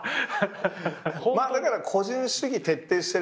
だから個人主義徹底してるよね。